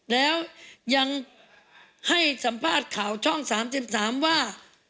แล้วยังให้สัมภาษณ์ข่าวช่อง๓๓ว่า